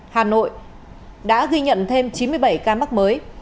hà nội đã ghi nhận thêm chín mươi bảy ca mắc mới